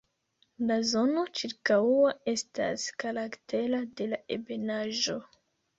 La zono ĉirkaŭa estas karaktera de la ebenaĵo.